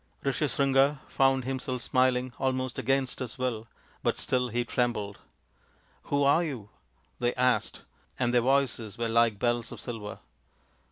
Rishyasringa found himself smiling, almost against his will : but still he trembled. " Who are you ?" they asked, and their voices were like bells of silver.